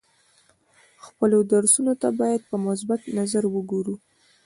خپلو درسونو ته باید په مثبت نظر وګورو.